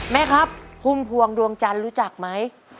แม่ครับพุ่มพวงดวงจันทร์รู้จักไหม